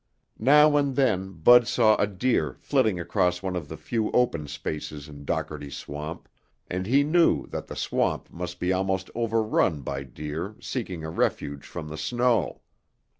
Now and then Bud saw a deer flitting across one of the few open spaces in Dockerty's Swamp, and he knew that the swamp must be almost overrun by deer seeking a refuge from the snow.